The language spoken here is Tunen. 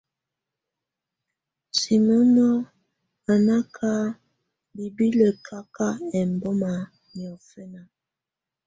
Simónó á ná ká bibilǝ káka ɛmbɔ́má niɔ́fɛna.